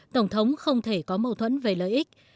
tổng thống không thể có mâu thuẫn về lợi ích